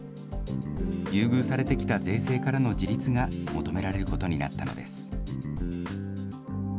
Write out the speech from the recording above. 優遇されてきた税制からの自立が求められることになったのです。